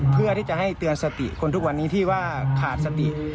เพื่อที่จะให้เตือนสติคนทุกวันนี้ที่ว่าขาดสติ